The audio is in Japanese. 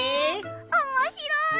おもしろい！